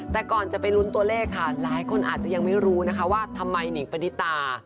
แต่ก่อนจะไปลุ้นตัวเลขค่ะหลายคนอาจจะยังไม่รู้นะคะว่าทำไมหนิงปณิตา